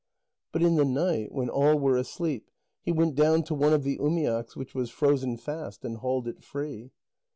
But in the night, when all were asleep, he went down to one of the umiaks, which was frozen fast, and hauled it free.